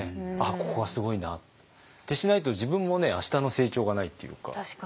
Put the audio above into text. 「ここはすごいな」ってしないと自分もねあしたの成長がないっていうか。